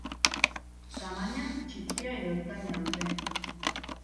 Tamaina txikia edo ertaina dute.